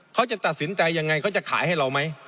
เขาจะตัดสินใจยังไงเขาจะขายให้เราไหม